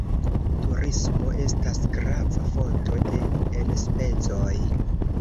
Turismo estas grava fonto de enspezoj.